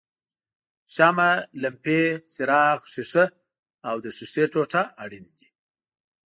شمع، لمپې څراغ ښيښه او د ښیښې ټوټه اړین دي.